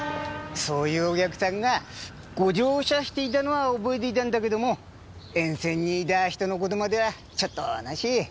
そういうお客さんがご乗車していたのは覚えていたんだけども沿線にいた人のことまではちょっとな。